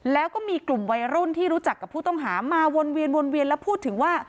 แล้วก็มีกลุ่มวัยรุ่นที่รู้จักกับผู้ต้องหามาวนเวียนวนเวียนแล้วพูดถึงว่า